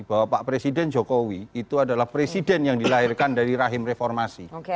bahwa pak presiden jokowi itu adalah presiden yang dilahirkan dari rahim reformasi